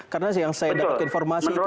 karena yang saya dapat informasi itu